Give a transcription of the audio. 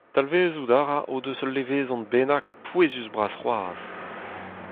Talvezout a ra o deus ul levezon bennak pouezus-bras c'hoazh.